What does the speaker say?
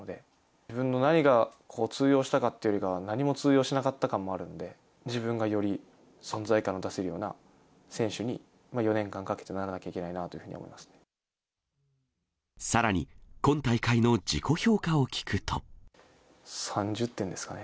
自分の何が通用したかっていうより、何も通用しなかった感もあるので、自分がより、存在感を出せるような選手に４年間かけてならなきゃいけないなとさらに、３０点ですかね。